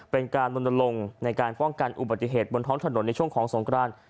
เป็นการลนลงในการป้องกันอุบัติเหตุบนท้องถนนในช่วงของสงคราน